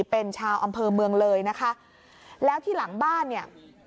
เป็นชาวอำเภอเมืองเลยนะคะแล้วที่หลังบ้านเนี่ย